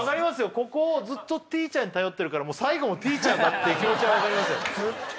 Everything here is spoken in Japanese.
ここをずっとティーチャーに頼ってるからもう最後もティーチャーだって気持ちは分かりますよ